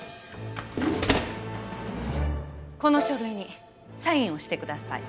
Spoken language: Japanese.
この書類にサインをしてください。